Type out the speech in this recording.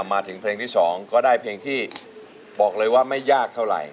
มาถึงเพลงที่๒ก็ได้เพลงที่บอกเลยว่าไม่ยากเท่าไหร่